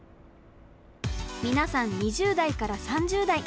みなさん２０代から３０代。